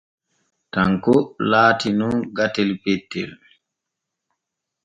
Tanko laati nun gatel pettel.